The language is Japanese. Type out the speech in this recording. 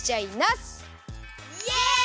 イエイ！